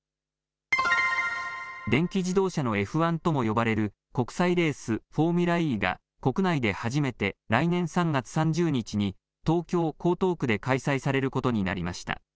電気自動車のＦ１とも呼ばれる国際レース、フォーミュラＥが国内で初めて来年３月３０日に東京江東区で開催されることになりました。